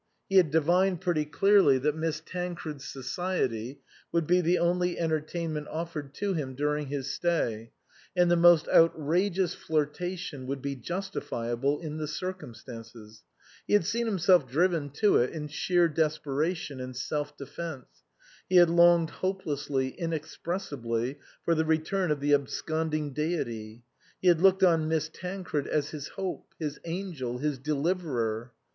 He had divined pretty clearly that Miss Tan cred's society would be the only entertainment offered to him during his stay, and the most outrageous flirtation would be justifiable in the circumstances ; he had seen himself driven to it in sheer desperation and self defence ; he had longed hopelessly, inexpressibly, for the return of the absconding deity ; he had looked on Miss Tancred as his hope, his angel, his deliverer.